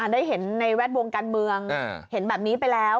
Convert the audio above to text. ได้เห็นในแวดวงการเมืองเห็นแบบนี้ไปแล้ว